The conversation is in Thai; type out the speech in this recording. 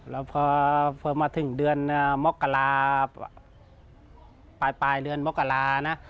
แล้วพอมาถึงเดือนมกราปลายเดือนมกรานะ